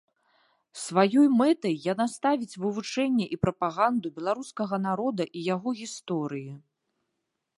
Сваёй мэтай яна ставіць вывучэнне і прапаганду беларускага народа і яго гісторыі.